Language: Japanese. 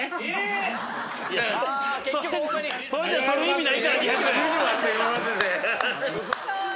それじゃ取る意味ないから２００円。